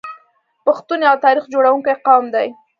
پښتون یو تاریخ جوړونکی قوم دی.